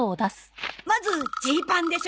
まず「ジーパン」でしょ。